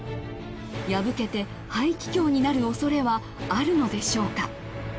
破けて肺気胸になる恐れはあるのでしょうか？